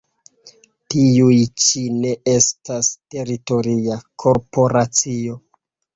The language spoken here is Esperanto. Tiuj ĉi ne estas teritoria korporacio.